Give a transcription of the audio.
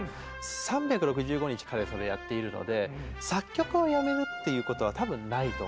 ３６５日彼はそれをやっているので作曲をやめるっていうことは多分ないと思います。